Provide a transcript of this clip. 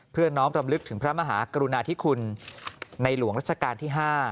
น้อมรำลึกถึงพระมหากรุณาธิคุณในหลวงรัชกาลที่๕